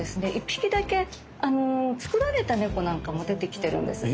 １匹だけ作られた猫なんかも出てきてるんです。